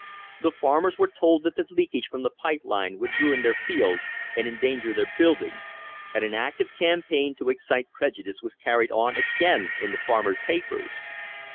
The farmers were told that the leakage from the pipe line would ruin their fields and endanger their buildings, and an active campaign to excite prejudice was car ried on again in the farmers' papers.